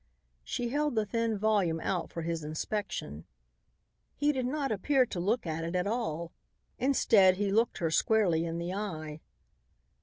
She held the thin volume out for his inspection. He did not appear to look at it at all. Instead, he looked her squarely in the eye.